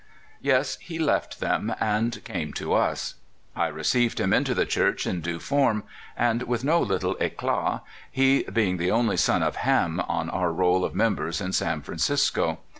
'' Yes, he left them, and came to us. I received him into the Church in due form, and with no lit tle eclat, he being the only son of Ham on our roll of members in San Francisco.